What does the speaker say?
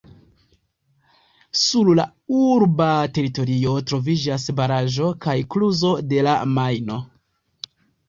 Sur la urba teritorio troviĝas baraĵo kaj kluzo de la Majno.